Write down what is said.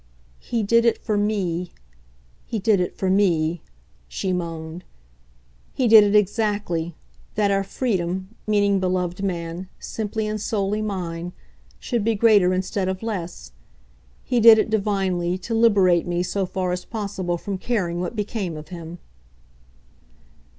"He did it for ME, he did it for me," she moaned, "he did it, exactly, that our freedom meaning, beloved man, simply and solely mine should be greater instead of less; he did it, divinely, to liberate me so far as possible from caring what became of him."